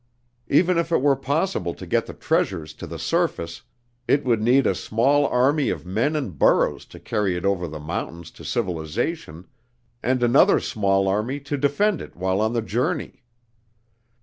Even if it were possible to get the treasure to the surface, it would need a small army of men and burros to carry it over the mountains to civilization, and another small army to defend it while on the journey.